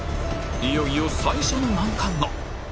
いよいよ最初の難関が